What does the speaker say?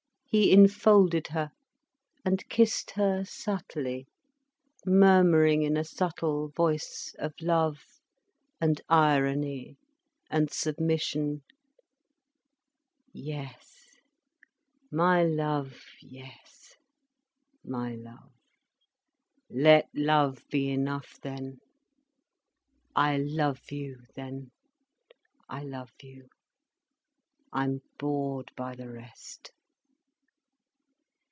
He enfolded her, and kissed her subtly, murmuring in a subtle voice of love, and irony, and submission: "Yes,—my love, yes,—my love. Let love be enough then. I love you then—I love you. I'm bored by the rest."